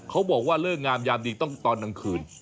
บอกว่าเลิกงามยามดีต้องตอนกลางคืน